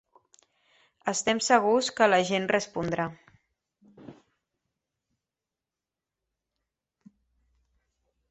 Estem segurs que la gent respondrà.